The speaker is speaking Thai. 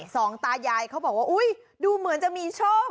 สองตายายเขาบอกว่าอุ๊ยดูเหมือนจะมีโชค